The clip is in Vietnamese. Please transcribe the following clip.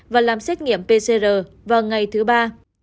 và làm xét nghiệm pcr vào ngày thứ ba